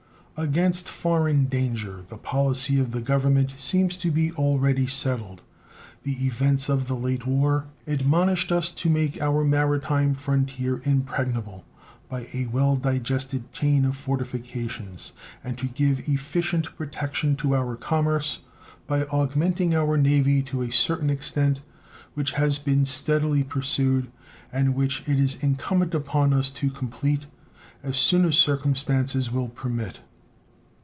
Against foreign danger the policy of the Government seems to be already settled. The events of the late war admonished us to make our maritime frontier impregnable by a well digested chain of fortifications, and to give efficient protection to our commerce by augmenting our Navy to a certain extent, which has been steadily pursued, and which it is incumbent upon us to complete as soon as circumstances will permit.